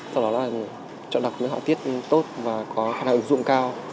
sau đó là chọn đọc những họa tiết tốt và có khả năng ứng dụng cao